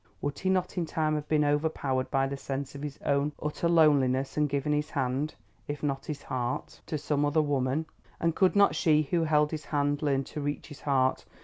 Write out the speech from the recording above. Would he not in time have been overpowered by the sense of his own utter loneliness and given his hand, if not his heart, to some other woman? And could not she who held his hand learn to reach his heart?